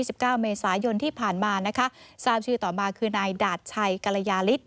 สิบเก้าเมษายนที่ผ่านมานะคะทราบชื่อต่อมาคือนายดาดชัยกรยาฤทธ